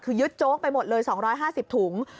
คือยึดโจ๊กไปหมดเลย๒๕๐ถุง